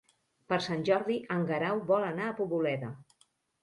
Per Sant Jordi en Guerau vol anar a Poboleda.